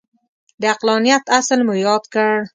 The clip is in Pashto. د عقلانیت اصل مو یاد کړ.